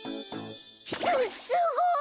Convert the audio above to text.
すすごい！